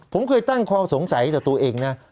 ผมเคยตั้งความสงสัยตัวตัวเองนะ